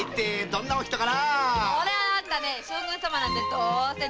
どんな顔？